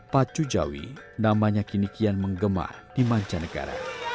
pacu jawi namanya kini kian menggema di manca negara